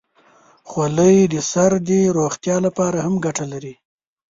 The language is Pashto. خولۍ د سر د روغتیا لپاره هم ګټه لري.